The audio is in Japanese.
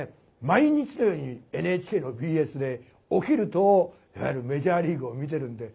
毎日のようにＮＨＫのＢＳで起きるといわゆるメジャーリーグを見てるんで。